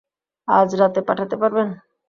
আজ রাতে পাঠাতে পারবেন?